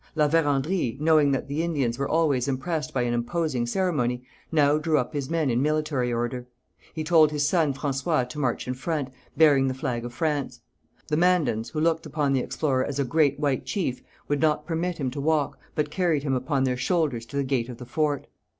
La Vérendrye, knowing that the Indians were always impressed by an imposing ceremony, now drew up his men in military order. He told his son François to march in front, bearing the flag of France. The Mandans, who looked upon the explorer as a great white chief, would not permit him to walk, but carried him upon their shoulders to the gate of the fort.